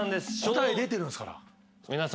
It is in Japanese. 答え出てるんですから。